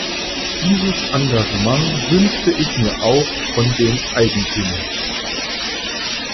Dieses Engagement wünschte ich mir auch von den Eigentümern.